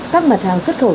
các mặt hàng xuất khẩu